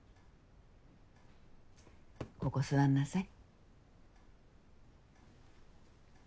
ここ座んなさい。